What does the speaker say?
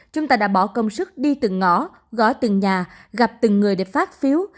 chúng ta đã bỏ công sức đi từng ngõ gõ từng nhà gặp từng người để phát phiếu